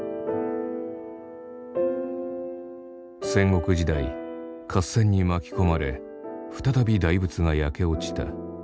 戦国時代合戦に巻き込まれ再び大仏が焼け落ちた。